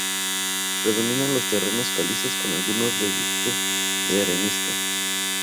Predominan los terrenos calizos con algunos reductos de arenisca.